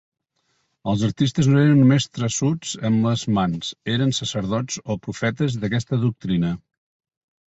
Els artistes no eren només traçuts amb les mans; eren sacerdots o profetes d'aquesta doctrina.